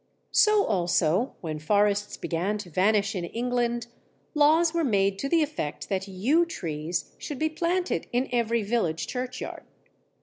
So also, when forests began to vanish in England, laws were made to the effect that yew trees should be planted in every village churchyard.